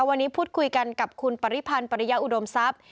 วันนี้พูดคุยกันกับคุณปริพันธ์ปริยาอุดมทรัพย์